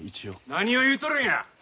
何を言うとるんや！